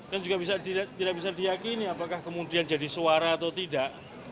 kan juga tidak bisa diakini apakah kemudian jadi suara atau tidak